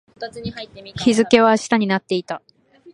日付は明日になっていた